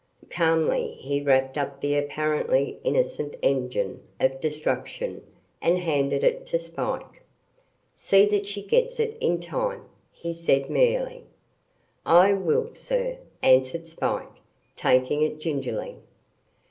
Calmly he wrapped up the apparently innocent engine of destruction and handed it to Spike. "See that she gets it in time," he said merely. "I will, sir," answered Spike, taking it gingerly.